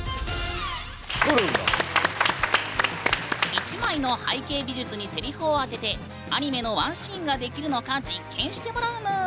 １枚の背景美術にセリフを当ててアニメのワンシーンができるのか実験してもらうぬん。